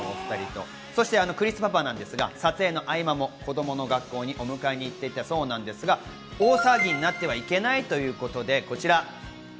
そしてクリスパパなんですが、撮影の合間も子供の学校にお迎えに行っていたそうですが、大騒ぎになってはいけないってことで、こちら。